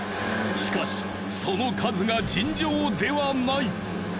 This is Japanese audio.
しかしその数が尋常ではない！